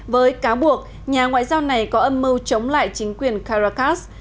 với cáo buộc nhà ngoại giao này có âm mưu chống lại chính quyền caracas